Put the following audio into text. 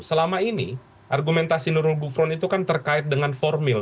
selama ini argumentasi nurul gufron itu kan terkait dengan formil